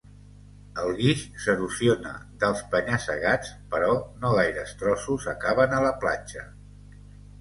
El guix s'erosiona dels penya-segats, però no gaires trossos acaben a la platja.